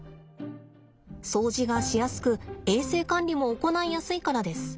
掃除がしやすく衛生管理も行いやすいからです。